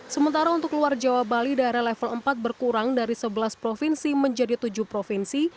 sementara untuk luar jawa bali daerah level empat berkurang dari sebelas provinsi menjadi tujuh provinsi